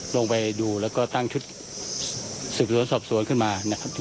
ลงไปดูแล้วก็ตั้งชุดสิทธิวสอบสวนขึ้นมา